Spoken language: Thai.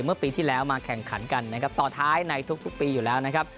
เมื่อปีที่แล้วมาแข่งขันกันนะครับต่อท้ายในทุกปีอยู่แล้วนะครับ